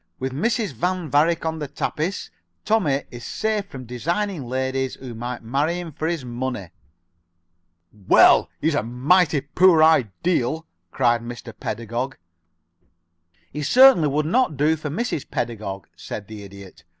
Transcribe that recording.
"With Mrs. Van Varick on the tapis, Tommie is safe from designing ladies who might marry him for his money." "Well, he's a mighty poor ideal!" cried Mr. Pedagog. "He certainly would not do for Mrs. Pedagog," said the Idiot.